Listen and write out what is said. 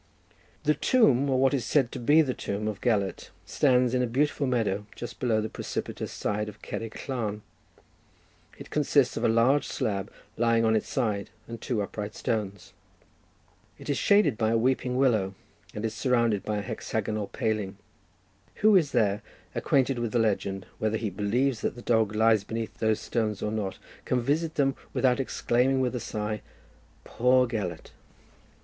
The tomb, or what is said to be the tomb, of Gelert, stands in a beautiful meadow just below the precipitous side of Cerrig Llan; it consists of a large slab lying on its side, and two upright stones. It is shaded by a weeping willow, and is surrounded by a hexagonal paling. Who is there acquainted with the legend, whether he believes that the dog lies beneath those stones or not, can visit them without exclaiming, with a sigh, "Poor Gelert!"